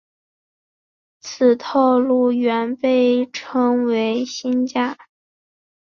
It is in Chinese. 此套路原被称为新架。